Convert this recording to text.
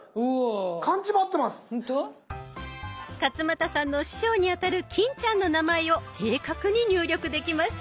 勝俣さんの師匠にあたる欽ちゃんの名前を正確に入力できましたね。